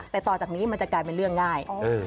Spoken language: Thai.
แต่ต่อจากนี้มันจะกลายเป็นเรื่องง่าย